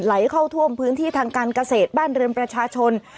ไหลเข้าท่วมพื้นที่ทางการเกษตรบ้านเรือนประชาชน